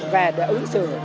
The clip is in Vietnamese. về để ứng xử